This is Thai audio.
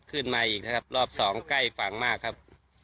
ขึ้นมาอีกนะครับรอบสองใกล้ฝั่งมากครับ